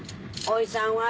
おいさんは？」